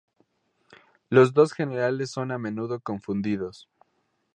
Los dos Generales son a menudo confundidos.